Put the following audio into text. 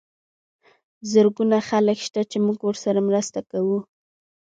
زرګونه خلک شته چې موږ ورسره مرسته کوو.